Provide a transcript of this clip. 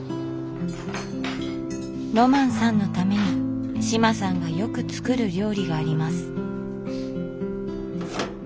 ロマンさんのために志麻さんがよく作る料理があります。